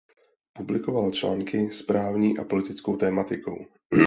Publikoval články s právní a politickou tematikou.